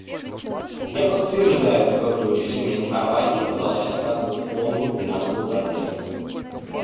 Я подтверждаю твердую решимость Хорватии продолжать оказывать Фонду финансовую поддержку.